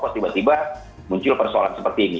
kok tiba tiba muncul persoalan seperti ini